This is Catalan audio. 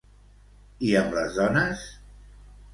I amb les dones?